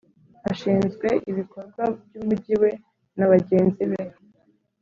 ashinzwe ibikorwa by Umujyi we nabagenzi be